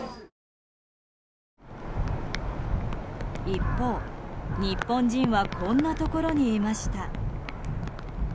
一方、日本人はこんなところにいました。